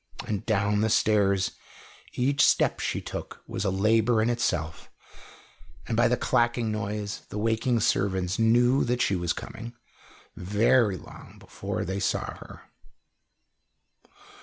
And down the stairs each step she took was a labour in itself, and by the clacking noise the waking servants knew that she was coming, very long before they saw her.